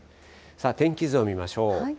天気図を見ましょう。